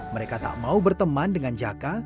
mereka tak mau berteman dengan jaka